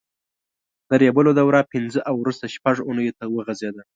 د ریبلو دوره پینځه او وروسته شپږ اوونیو ته وغځېده.